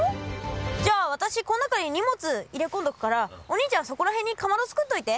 じゃあ私こん中に荷物入れ込んどくからお兄ちゃんそこら辺にかまど作っといて。